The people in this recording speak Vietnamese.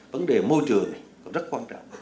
vấn đề môi trường cũng rất quan trọng